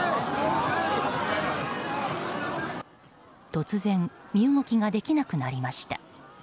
突然、身動きができなくなりました。